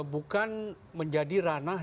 bukan menjadi ranah